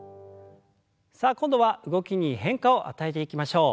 さあ今度は動きに変化を与えていきましょう。